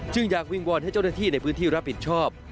อยากวิงวอนให้เจ้าหน้าที่ในพื้นที่รับผิดชอบ